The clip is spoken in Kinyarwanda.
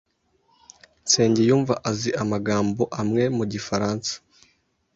Nsengiyumva azi amagambo amwe mu gifaransa.